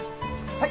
はい。